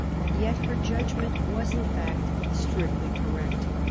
Yet her judgment was in fact strictly correct.